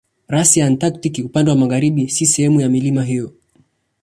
Rasi ya Antaktiki upande wa magharibi si sehemu ya milima hiyo.